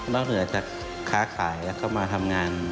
นอกเหนือจากค้าข่ายและเข้ามาทำงาน